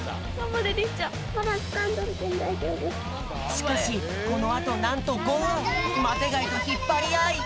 しかしこのあとなんと５ふんマテがいとひっぱりあい！